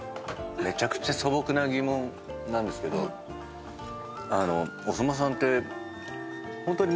めちゃくちゃ素朴な疑問なんですけどお相撲さんってホントに。